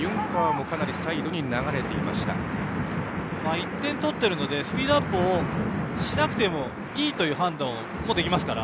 １点取っているのでスピードアップしなくてもいいという判断もできますから。